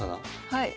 はい。